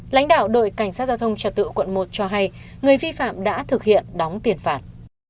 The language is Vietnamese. lãnh đạo đội cảnh sát giao thông trật tự quận một cho hay người vi phạm đã thực hiện đóng tiền phạt